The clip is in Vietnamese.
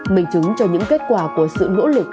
mình chứng cho những kết quả của sự nỗ lực